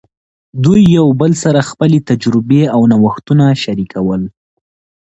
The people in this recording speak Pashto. دوی یو بل سره خپلې تجربې او نوښتونه شریکول.